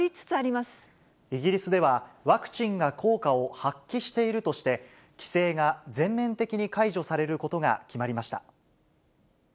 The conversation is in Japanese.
イギリスでは、ワクチンが効果を発揮しているとして、規制が全面的に解除されることが決まりました。